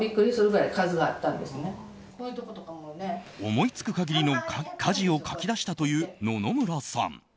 思いつく限りの家事を書き出したという野々村さん。